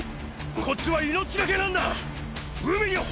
こっちは命懸けなんだ！